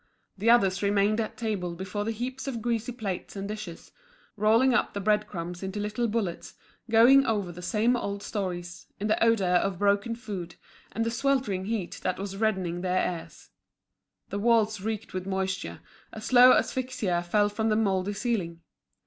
The others remained at table before the heaps of greasy plates and dishes, rolling up the bread crumbs into little bullets, going over the same old stories, in the odour of broken food, and the sweltering heat that was reddening their ears. The walls reeked with moisture, a slow asphyxia fell from the mouldy ceiling.